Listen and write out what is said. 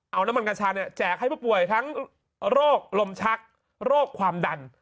เอาน้ำมันกัญชาเนี่ยแจกให้ผู้ป่วยทั้งโรคลมชักโรคความดัน